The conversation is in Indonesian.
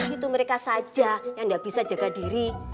itu mereka saja yang tidak bisa jaga diri